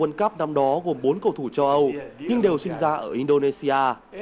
đội hình chính tham dự world cup năm đó gồm bốn cầu thủ châu âu nhưng đều sinh ra ở indonesia